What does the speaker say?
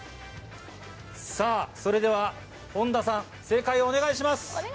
それでは本田さん、正解をお願いします。